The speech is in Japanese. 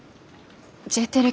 Ｊテレ